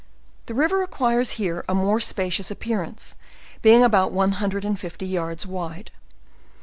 The river acquires here a more spacious appear ance, being about one hundred and fifty yards wide.